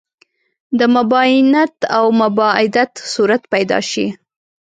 د مباینت او مباعدت صورت پیدا شي.